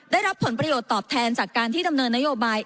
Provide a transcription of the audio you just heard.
ได้รับผลประโยชน์ตอบแทนจากการที่ดำเนินนโยบาย